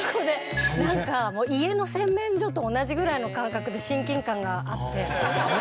何かもう家の洗面所と同じぐらいの感覚で親近感があって。